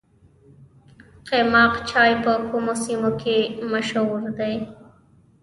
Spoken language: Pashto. قیماق چای په کومو سیمو کې مشهور دی؟